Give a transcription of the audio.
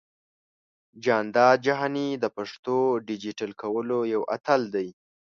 جانداد جهاني د پښتو ډىجيټل کولو يو اتل دى.